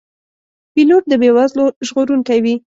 پیلوټ د بې وزلو ژغورونکی وي.